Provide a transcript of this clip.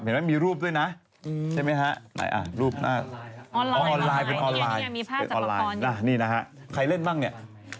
เห็นไหมมีรูปด้วยนะไหนอ่ะรูปในห้างออนไลน์เป็นออนไลน์นี่นะฮะใครเล่นบ้างเนี่ย